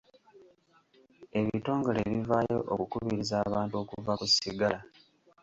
Ebitongole bivaayo okukubiriza abantu okuva ku sigala.